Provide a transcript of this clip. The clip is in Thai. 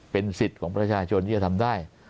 เป็นสิทธิ์ของประชาชนที่จะทำได้